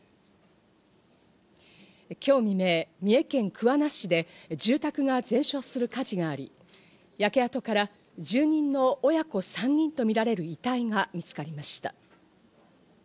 今日未明、三重県桑名市で住宅が全焼する火事があり、焼け跡から住人の親子３人とみられる遺体が見つかりました。